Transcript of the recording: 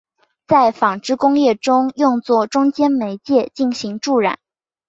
在纺织工业中用作中间媒介进行助染。